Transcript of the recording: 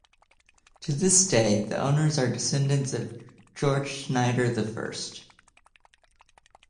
To this day, the owners are descendants of Georg Schneider the First.